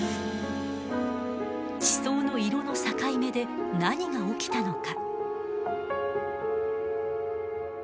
地層の色の境目で何が起きたのか。